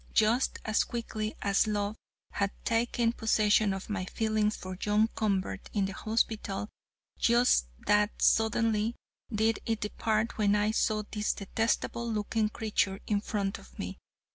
Just as quickly as love had taken possession of my feelings for John Convert in the hospital, just that suddenly did it depart when I saw this detestable looking creature in front of me.